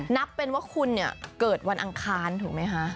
นับเป็นว่าคุณเนี่ยเกิดวันอังคารถูกไหมคะ